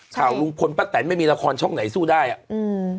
ข่าวลุงพลป้าแตนไม่มีละครช่องไหนสู้ได้อ่ะอืม